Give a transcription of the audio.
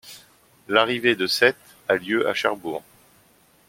L'arrivée de cette a lieu à Cherbourg.